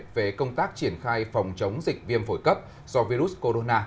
về công tác triển khai phòng chống dịch viêm phổi cấp do virus corona